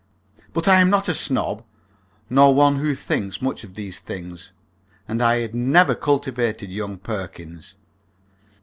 But I am not a snob, nor one who thinks much of these things, and I had never cultivated young Perkins.